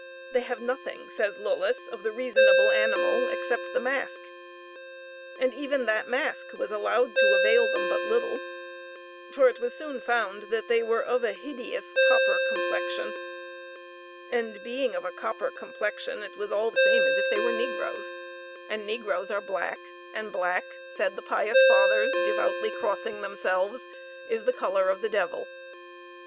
"They have nothing," says Lullus, "of the reasonable animal, except the mask." And even that mask was allowed to avail them but little, for it was soon found that they were of a hideous copper complexion and being of a copper complexion, it was all the same as if they were negroes and negroes are black, "and black," said the pious fathers, devoutly crossing themselves, "is the color of the devil!"